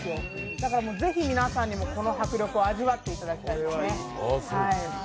だから是非、皆さんにもこの迫力を味わっていただきたいです。